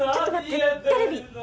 テレビ。